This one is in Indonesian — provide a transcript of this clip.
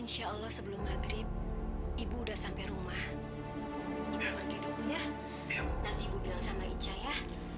tolong kerikin ya